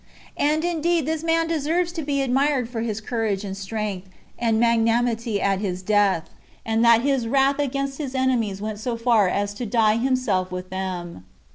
And indeed this man deserves to be admired for his courage and strength, and magnanimity at his death, and that his wrath against his enemies went so far as to die himself with them.